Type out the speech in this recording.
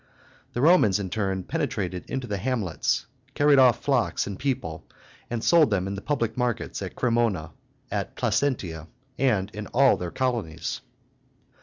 The Romans, in turn, penetrated into the hamlets, carried off flocks and people, and sold them in the public markets at Cremona, at Placentia, and in all their colonies.